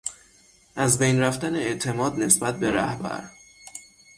ازبین رفتن اعتماد نسبت به رهبر